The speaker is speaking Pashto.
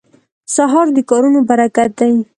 سهار د کارونو برکت دی.